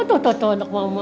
aduh anak mama